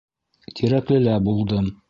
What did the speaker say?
Тирәклелә булдым.